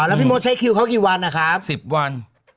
แล้วพี่มดใช้คิวเขากี่วันนะครับ๑๐วัน